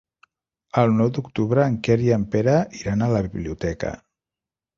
El nou d'octubre en Quer i en Pere iran a la biblioteca.